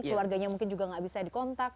keluarganya mungkin juga nggak bisa dikontak